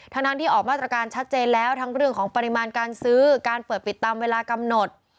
ทั้งที่ออกมาตรการชัดเจนแล้วทั้งเรื่องของปริมาณการซื้อการเปิดปิดตามเวลากำหนด